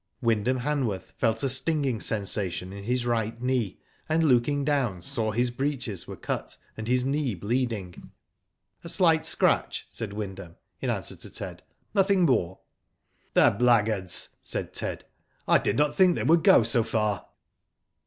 Wyndham Hanworth felt a stinging sensation in his right knee, and looking down saw his breeches were cut and his knee bleeding. "A slight scratch," said Wyndham, in answer to Ted, nothing more." The blackguards," said Ted, *' I did not think they would go so far."